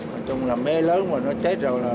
nói chung là mê lớn mà nó chết rồi